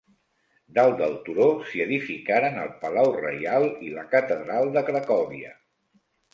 Dalt del turó, s'hi edificaren el Palau reial i la catedral de Cracòvia.